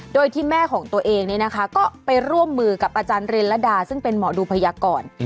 โดยที่แม่ของตัวเองก็ไปร่วมมือกับอาจารย์เรนระดาซึ่งเป็นหมอดูพยากร